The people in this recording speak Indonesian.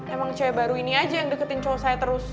emang cewek baru ini aja yang deketin cewek saya terus